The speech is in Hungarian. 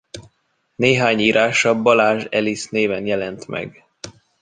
Néhány írása Balázs Alice néven jelent meg.